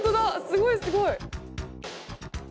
すごいすごい。